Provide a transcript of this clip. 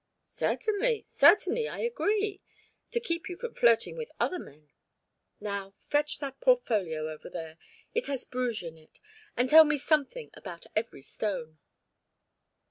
"Certainly, certainly, I agree to keep you from flirting with other men." "Now fetch that portfolio over there, it has Bruges in it, and tell me something about every stone."